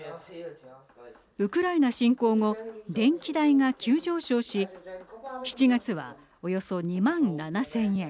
ウクライナ侵攻後電気代が急上昇し７月は、およそ２万７０００円。